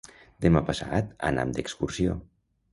Demà passat anam d'excursió.